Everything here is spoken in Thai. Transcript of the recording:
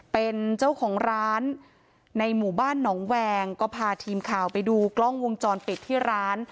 เป็นเจ้าของร้านในหมู่บ้านหนองแวงก็พาทีมข่าวไปดูกล้องวงจรปิดที่ร้าน